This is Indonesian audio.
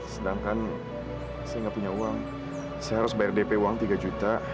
sedangkan saya nggak punya uang saya harus bayar dp uang tiga juta